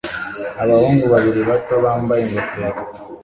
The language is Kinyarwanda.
Abahungu babiri bato bambaye ingofero